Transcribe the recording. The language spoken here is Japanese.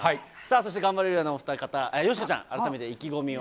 そしてガンバレルーヤのお二方、よしこちゃんから、改めて意気込みを。